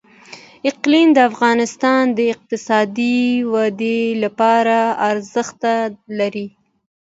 اقلیم د افغانستان د اقتصادي ودې لپاره ارزښت لري.